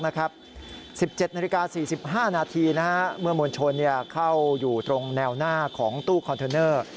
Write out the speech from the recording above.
๑๗นาฬิกา๔๕นาทีเมื่อมวลชนเข้าอยู่ตรงแนวหน้าของตู้คอนเทนเนอร์